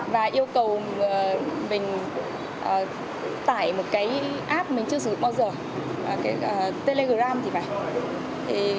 và yêu cầu mình tải một cái app mình chưa sử dụng bao giờ telegram thì phải